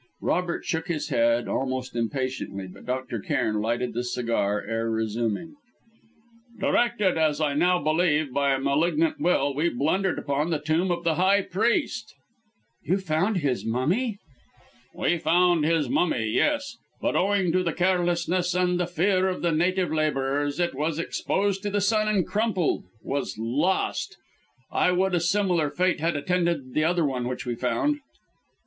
Robert shook his head, almost impatiently, but Dr. Cairn lighted the cigar ere resuming: "Directed, as I now believe, by a malignant will, we blundered upon the tomb of the high priest " "You found his mummy?" "We found his mummy yes. But owing to the carelessness and the fear of the native labourers it was exposed to the sun and crumpled was lost. I would a similar fate had attended the other one which we found!"